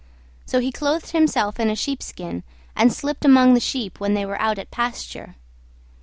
So he clothed himself in a sheepskin, and slipped among the sheep when they were out at pasture.